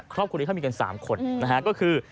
ครอบครุ่นนี้เค้ามีกันสามคนนะฮะก็คือ